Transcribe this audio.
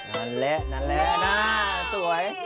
นั่นและนั่นล่ะสวยสุดยอด